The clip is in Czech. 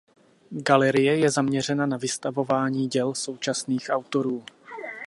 Galerie je zaměřena na vystavování děl současných autorů.